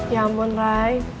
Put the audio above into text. ya ampun ray